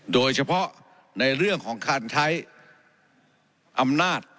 โดยเฉพาะในเรื่องของการใช้อำนาจ